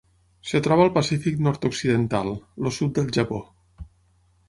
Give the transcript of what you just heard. Es troba al Pacífic nord-occidental: el sud del Japó.